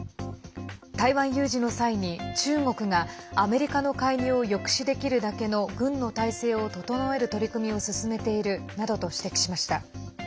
台湾有事の際に中国がアメリカの介入を抑止できるだけの軍の態勢を整える取り組みを進めているなどと指摘しました。